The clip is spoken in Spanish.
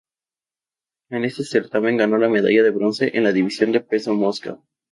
En ese certamen ganó la medalla de bronce en la división de peso mosca.